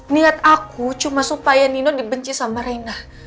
niat aku cuma supaya nino dibenci sama reina